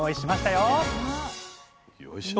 よいしょ！